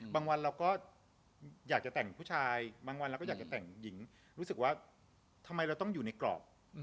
วันเราก็อยากจะแต่งผู้ชายบางวันเราก็อยากจะแต่งหญิงรู้สึกว่าทำไมเราต้องอยู่ในกรอบ